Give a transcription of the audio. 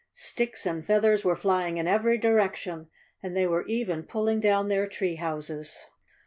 Sticks and feathers were flying in every direction and they were even pulling down their tree houses.